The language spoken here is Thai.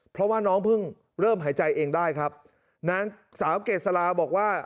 เพราะว่าน้องเพิ่งเริ่มหายใจเองได้ครับนางสาวเกษลาบอกว่า